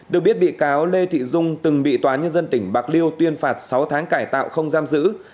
được biết bị cáo lê thị dung từng bị tòa nhân dân tỉnh bạc liêu tuyên phạt sáu tháng cải tạo không giam giữ